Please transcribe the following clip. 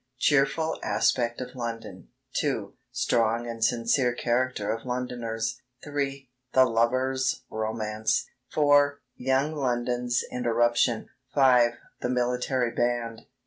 CHEERFUL ASPECT OF LONDON. 2. STRONG AND SINCERE CHARACTER OF LONDONERS. 3. THE LOVERS' ROMANCE. 4. YOUNG LONDON'S INTERRUPTION. 5. THE MILITARY BAND.